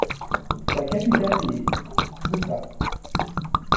Sa capitale est Cúcuta.